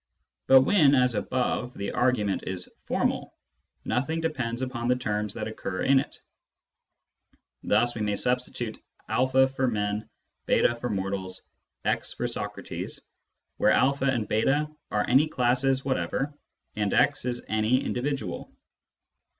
But when, as above, the argument is formal, nothing depends upon the terms that occur in it. Thus we may substitute a for men, /J for mortals, and x for Socrates, where a and j8 are any classes whatever, and x is any individual.